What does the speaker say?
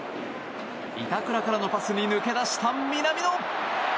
板倉からのパスに抜け出した南野！